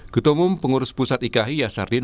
ketumum pengurus pusat ikhi yasardin